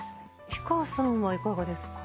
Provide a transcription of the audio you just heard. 氷川さんはいかがですか？